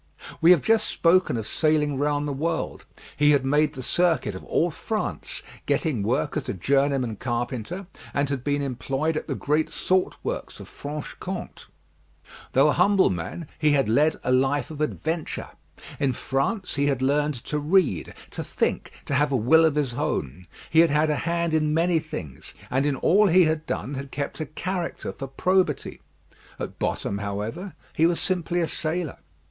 We have just spoken of sailing round the world; he had made the circuit of all France, getting work as a journeyman carpenter; and had been employed at the great salt works of Franche Comte. Though a humble man, he had led a life of adventure. In France he had learned to read, to think, to have a will of his own. He had had a hand in many things, and in all he had done had kept a character for probity. At bottom, however, he was simply a sailor.